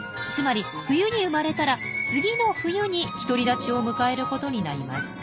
つまり冬に生まれたら次の冬に独り立ちを迎えることになります。